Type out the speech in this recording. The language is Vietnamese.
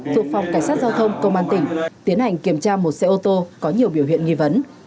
thuộc phòng cảnh sát giao thông công an tỉnh tiến hành kiểm tra một xe ô tô có nhiều biểu hiện nghi vấn